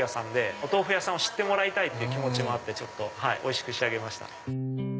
お豆腐屋さんを知ってもらいたいという気持ちもあっておいしく仕上げました。